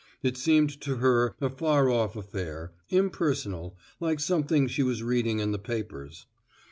It seemed to her a far off affair, impersonal, like something she was reading in the papers.